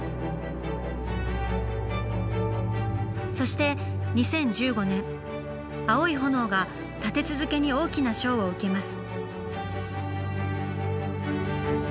そして２０１５年「アオイホノオ」が立て続けに大きな賞を受けます。